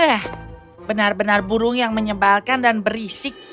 eh benar benar burung yang menyebalkan dan berisik